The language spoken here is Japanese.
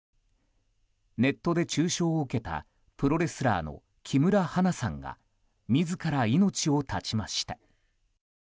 ネットで中傷を受けたプロレスラーの木村花さんが自ら命を絶ちました。